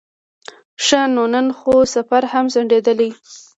ښه نو نن خو سفر هم ځنډېدلی.